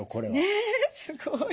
ねえすごい。